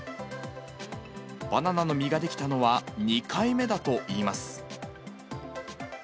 バナナの実が出来たのは２回目だといいます。